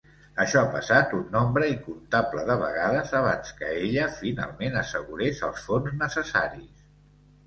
Això ha passat un nombre incomptable de vegades abans que ella finalment assegurés els fons necessaris.